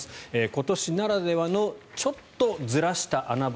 今年ならではのちょっとずらした穴場